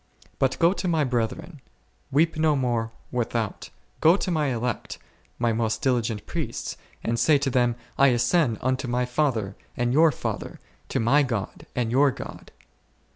But go to My brethren ; weep no more without ; go to My elect, My most diligent priests, and say to them, I ascend unto My Father and your Father, to My God and your God.